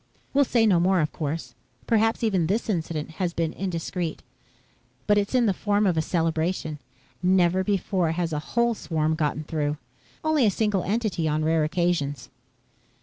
"We'll say no more, of course. Perhaps even this incident has been indiscreet. But it's in the form of a celebration. Never before has a whole swarm gotten through. Only a single entity on rare occasions."